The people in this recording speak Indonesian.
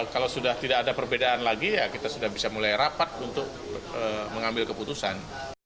kalau sudah tidak ada perbedaan lagi ya kita sudah bisa mulai rapat untuk mengambil keputusan